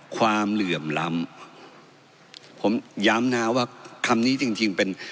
เหลื่อมล้ำผมย้ำนะว่าคำนี้จริงจริงเป็น